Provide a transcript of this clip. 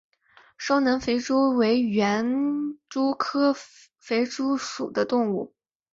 双南肥蛛为园蛛科肥蛛属的动物。